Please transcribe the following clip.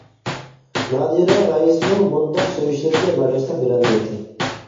نادىرە رەئىسنىڭ بۇنداق سۆيۈشلىرىگە بەرداشلىق بېرەلمەيتتى.